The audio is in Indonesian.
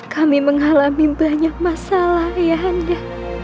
kami mengalami banyak masalah ayahanda